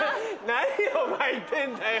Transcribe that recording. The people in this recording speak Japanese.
何を巻いてんだよ！